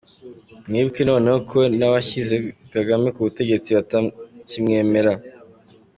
Mwibuke noneho ko n’abashyize Kagame ku butegetsi batakimwemera!